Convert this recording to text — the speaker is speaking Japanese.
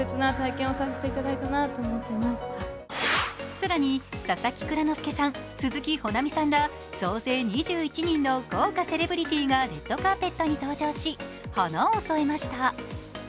更に、佐々木蔵之介さん鈴木保奈美さんら総勢２１人の豪華セレブリティーがレッドカーペットに登場し、花を添えました。